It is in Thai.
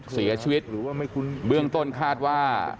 เสียชีวิตเบื้องต้นคาดว่า